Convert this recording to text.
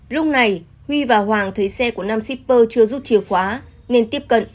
lúc này huy và hoàng thấy xe của nam shipper chưa rút chìa khóa nên tiếp cận